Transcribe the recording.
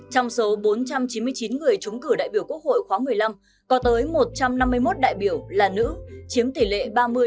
trong số bốn trăm chín mươi chín người chống cử đại biểu quốc hội khoá một mươi năm có tới một trăm năm mươi một đại biểu là nữ chiếm tỷ lệ ba mươi hai mươi sáu